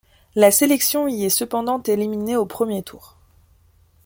La sélection y est cependant éliminée au premier tour.